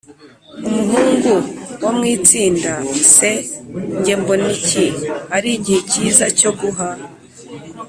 Umuhungu wo mu itsinda C: Nge mbona iki ari igihe kiza cyo guha